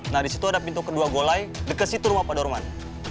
nah disitu ada pintu kedua golai deket situ rumah pak dorman